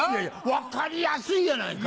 分かりやすいやないかい。